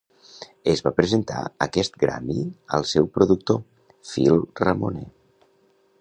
Es va presentar aquest Grammy al seu productor, Phil Ramone.